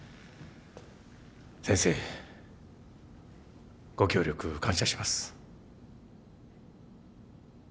先生ご協力感謝します。